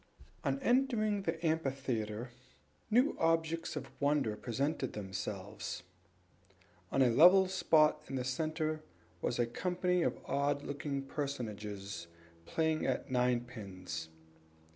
On entering the amphitheatre, new objects of wonder presented themselves. On a level spot in the center was a company of odd looking personages playing at ninepins.